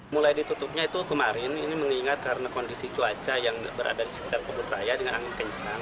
mulai ditutupnya itu kemarin ini mengingat karena kondisi cuaca yang berada di sekitar kebun raya dengan angin kencang